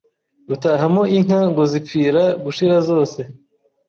rutahamo inka ngo zapfira gushira zose